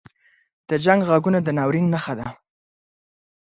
• د جنګ ږغونه د ناورین نښه ده.